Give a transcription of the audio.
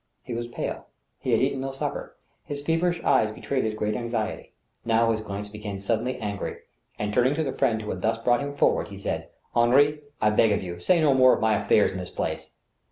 He was pale. He had eaten no supper. His feverish eyes be* trayed his great anxiety. Now his glance became suddenly angry, and, turning to the friend who had thus brought him forward, he said: "Henri, I beg of you, say no more of my affairs in this place."